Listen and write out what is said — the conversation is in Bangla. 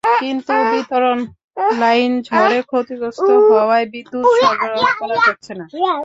কিন্তু বিতরণ লাইন ঝড়ে ক্ষতিগ্রস্ত হওয়ায় বিদ্যুৎ সরবরাহ করা যাচ্ছে না।